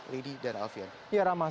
lady dan alfian